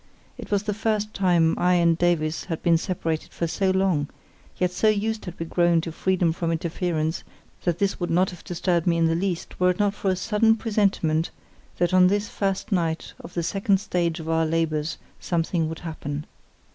It was the first time I and Davies had been separated for so long; yet so used had we grown to freedom from interference that this would not have disturbed me in the least were it not for a sudden presentiment that on this first night of the second stage of our labours something would happen.